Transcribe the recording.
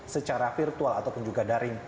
secara virtual ataupun juga daring